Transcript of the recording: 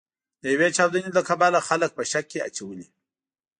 د یوې چاودنې له کبله خلک په شک کې اچولي.